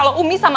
ya ampun apa